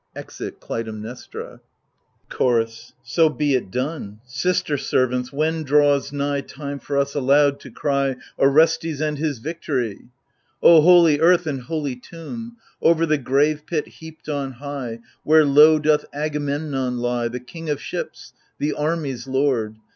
{Exit Clytemnestra. THE LIBATION BEARERS 115 Chorus So be it done — Sister servants, when draws nigh Time for us aloud to cry Orestes and his victory f O holy earth and holy tomb Over the grave pit heaped on high, Where low doth Agamemnon lie. The king of ships, the army's lord